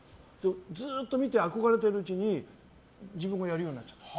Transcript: ずっと見て、憧れているうちに自分もやるようになっちゃった。